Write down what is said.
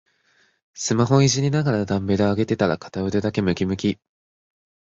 スマホいじりながらダンベル上げてたら片腕だけムキムキ